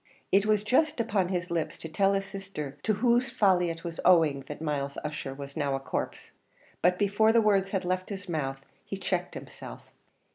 It was just upon his lips to tell his sister to whose folly it was owing that Myles Ussher was now a corpse; but before the words had left his mouth he checked himself.